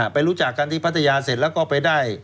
รู้จักกันที่พัทยาเสร็จแล้วก็ไปได้